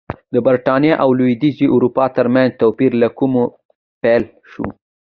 د برېټانیا او لوېدیځې اروپا ترمنځ توپیر له کومه پیل شو